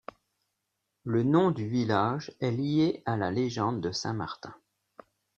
Le nom du village est lié à la légende de Saint Martin.